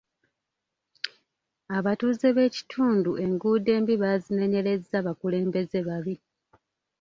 Abatuuze b'ekitundu enguudo embi baazinenyerezza bukulembeze babi.